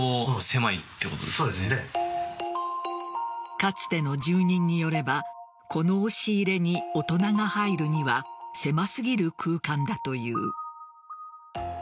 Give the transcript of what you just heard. かつての住人によればこの押し入れに大人が入るには狭すぎる空間だという。